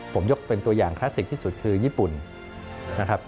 ผมยกเป็นตัวอย่างคลาสสิกที่สุดคือญี่ปุ่นนะครับ